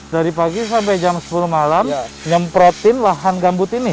dari pagi sampai jam sepuluh malam nyemprotin lahan gambut ini